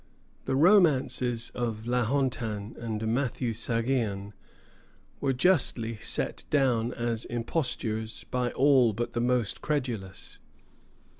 The romances of La Hontan and Matthieu Sagean were justly set down as impostures by all but the most credulous.